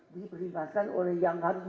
diperlibatkan oleh yang harus